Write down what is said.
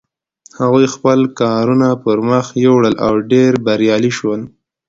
هغوی خپل کارونه پر مخ یوړل او ډېر بریالي شول.